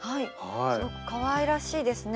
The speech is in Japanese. すごくかわいらしいですね。